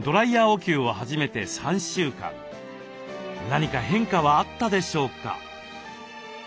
何か変化はあったでしょうか？